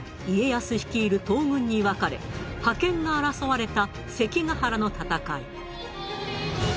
家康率いる東軍に分かれ覇権が争われた関ヶ原の戦い。